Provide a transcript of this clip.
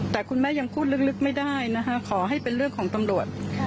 แต่คุณแม่ยังพูดลึกไม่ได้นะคะขอให้เป็นเรื่องของตำรวจ